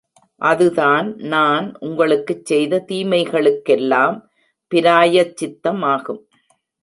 அதுதான் நான் உங்களுக்குச் செய்த தீமைகளுக் கெல்லாம், பிராயச்சித்தமாகும்.